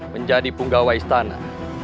menjadi penggawa istana